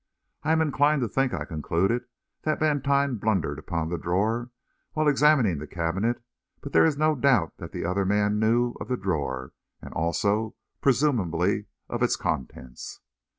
"I am inclined to think," I concluded, "that Vantine blundered upon the drawer while examining the cabinet; but there is no doubt that the other man knew of the drawer, and also, presumably, of its contents."